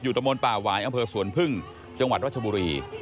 ตะมนต์ป่าหวายอำเภอสวนพึ่งจังหวัดรัชบุรี